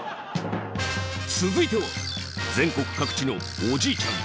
続いては全国各地のおじいちゃん